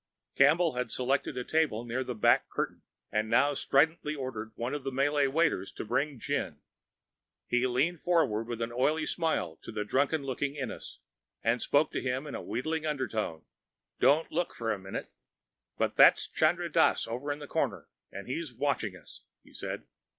Campbell had selected a table near the back curtain, and now stridently ordered one of the Malay waiters to bring gin. He leaned forward with an oily smile to the drunken looking Ennis, and spoke to him in a wheedling undertone. "Don't look for a minute, but that's Chandra Dass over in the corner, and he's watching us," he said.